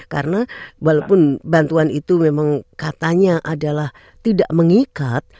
karena walaupun bantuan itu memang katanya adalah tidak mengikat